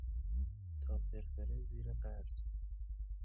تا خرخره زیر قرض